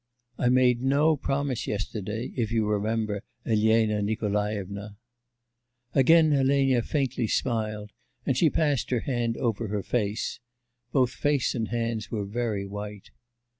'I made no promise yesterday, if you remember, Elena Nikolaevna.' Again Elena faintly smiled, and she passed her hand over her face. Both face and hands were very white.